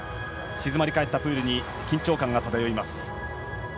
静まり返ったプールに緊張感が漂います。